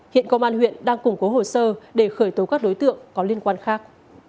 hiện công an huyện đang củng cố hồ sơ để khởi tố các đối tượng có liên quan khác